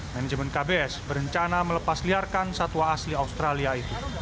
manajemen kbs berencana melepasliarkan satwa asli australia itu